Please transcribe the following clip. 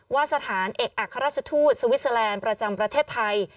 ว่าสถานเอกอัครราชทูตสวิสเตอร์แลนด์ประจำประเทศไทย